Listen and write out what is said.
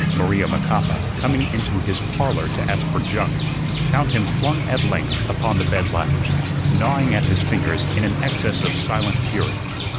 Maria Macapa, coming into his "Parlor" to ask for junk, found him flung at length upon the bed lounge, gnawing at his fingers in an excess of silent fury.